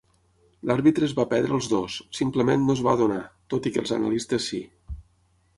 L'àrbitre es va perdre els dos, simplement "no es va adonar", tot i que els analistes sí.